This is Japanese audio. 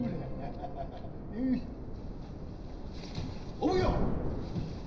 お奉行！